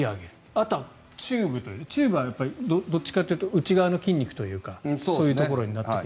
あとはチューブというこれはどちらかというと内側の筋肉というかそういうところになってくる。